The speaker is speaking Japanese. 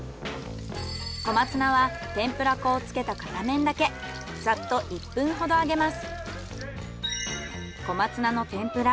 小松菜は天ぷら粉をつけた片面だけサッと１分ほど揚げます。